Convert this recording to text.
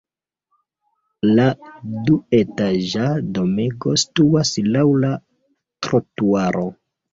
La duetaĝa domego situas laŭ la trotuaro.